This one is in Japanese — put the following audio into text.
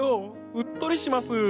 うっとりします。